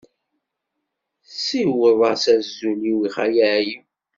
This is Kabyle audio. Ssiweḍ-as azul-iw i Xali Ɛli.